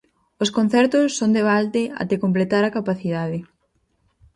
Os concertos son de balde até completar a capacidade.